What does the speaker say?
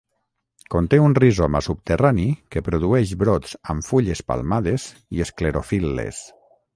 Conté un rizoma subterrani que produeix brots amb fulles palmades i esclerofil·les.